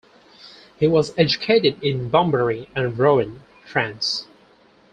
He was educated in Bambari and Rouen, France.